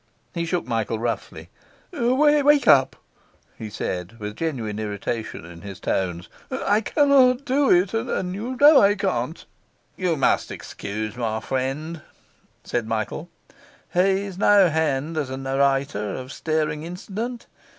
He shook Michael roughly. 'Wake up!' he cried, with genuine irritation in his tones. 'I cannot do it, and you know I can't.' 'You must excuse my friend,' said Michael; 'he's no hand as a narrator of stirring incident.